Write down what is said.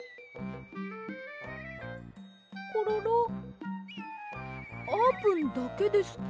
コロロあーぷんだけですか？